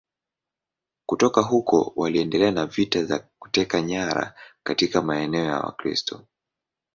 Kutoka huko waliendelea na vita za kuteka nyara katika maeneo ya Wakristo.